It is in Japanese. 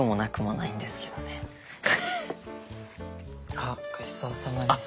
あっごちそうさまでした。